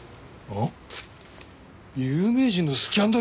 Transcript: あっ？